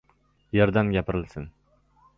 Yerdan gapirilsin!